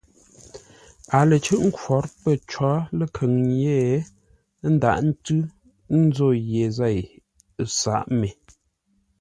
A lə cʉ́ʼ nkwǒr pə̂ có ləkhʉŋ yé ńdághʼ ńtʉ́ nzǒ ye zêi, ə sǎʼ me.